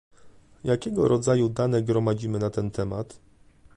Jakiego rodzaju dane gromadzimy na ten temat?